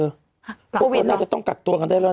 กักตัวกันหรือยังเธอเขาน่าจะต้องกักตัวกันได้แล้วนะ